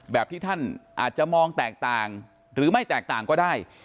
ที่ท่านอาจจะมองแตกต่างหรือไม่แตกต่างก็ได้